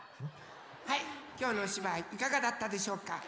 はいきょうのおしばいいかがだったでしょうか？